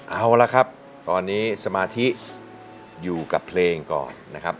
เอาละครับตอนนี้สมาธิอยู่กับเพลงก่อนนะครับ